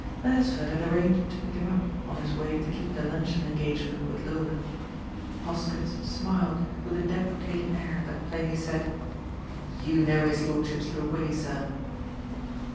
Beresford had arranged to pick him up on his way to keep the luncheon engagement with Lola. Hoskins smiled with a deprecating air that plainly said, "You know his lordship's little way, sir!"